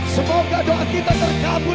semoga doa kita terkabul